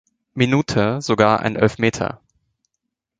Minute sogar einen Elfmeter.